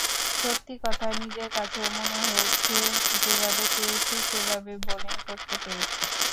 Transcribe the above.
সত্যি কথা, নিজের কাছেও মনে হয়েছে, যেভাবে চেয়েছি সেভাবে বোলিং করতে পেরেছি।